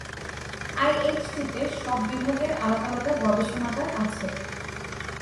I, H, T তে সব বিভাগের আলাদা আলাদা গবেষণাগার আছে।